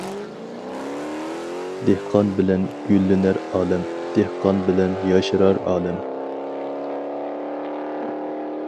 دېھقان بىلەن گۈللىنەر ئالەم، دېھقان بىلەن ياشىرار ئالەم.